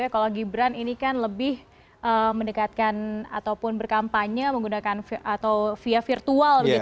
kalau gibran ini kan lebih mendekatkan ataupun berkampanye menggunakan atau via virtual